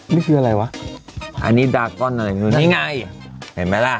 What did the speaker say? นี่คืออะไรวะอันนี้ดาร์กอนไนนี่ไงเห็นไหมล่ะ